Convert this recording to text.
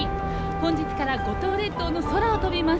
本日から五島列島の空を飛びます。